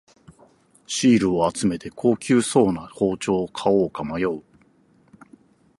シールを集めて高級そうな包丁を買おうか迷う